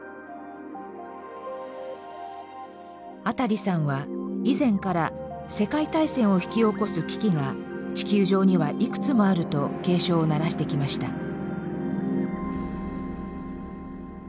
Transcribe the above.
アタリさんは以前から世界大戦を引き起こす危機が地球上にはいくつもあると警鐘を鳴らしてきました。